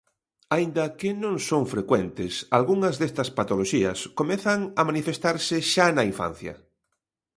Aínda que non son frecuentes, algunhas destas patoloxías comezan a manifestarse xa na infancia.